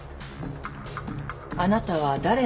「あなたは誰なの？